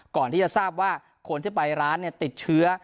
ก่อนที่จะทราบว่าคนที่ไปร้านติดเชื้อ